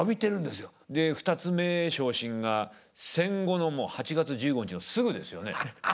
で二ツ目昇進が戦後の８月１５日のすぐですよね。